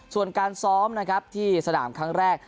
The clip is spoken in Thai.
ส่วนการซ้อมนะครับที่สนามครั้งแรก